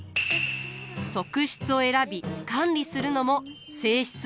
側室を選び管理するのも正室の役目。